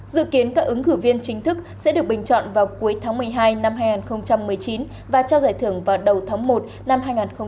dự kiến các ứng cử viên chính thức sẽ được bình chọn vào cuối tháng một mươi hai năm hai nghìn một mươi chín và trao giải thưởng vào đầu tháng một năm hai nghìn hai mươi